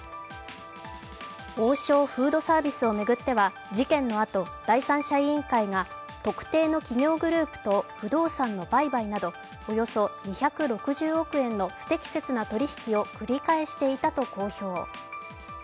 王将フードサービスを巡っては事件のあと、第三者委員会が特定の企業グループと不動産の売買などおよそ２６０億円の不適切な取引を繰り返していたと公表。